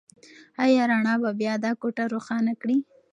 ایا رڼا به بيا دا کوټه روښانه کړي؟